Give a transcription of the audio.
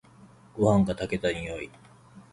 ごはんが炊けた匂い。